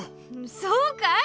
そうかい？